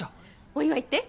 お祝いって？